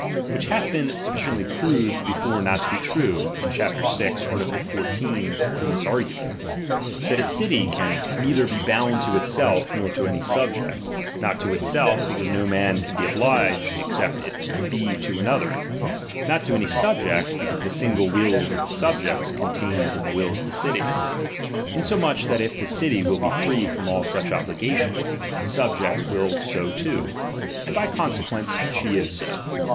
Which hath beenj^7"l sufficiently proved before not to be true, in chap vi. '"^y"'* art. 14, from this argument : that a city can [. neither be bound to itself, nor to any subject ; not ^ to itself, because no man can be obliged except it be to another ; not to any subject, because the :. single wills of the subjects are contained in the will of the city ; insomuch that if the city will be free from all such obligation, the subjects will so too ; and by consequence she is so.